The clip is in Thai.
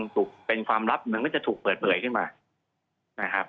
ถูกเป็นความลับมันก็จะถูกเปิดเผยขึ้นมานะครับ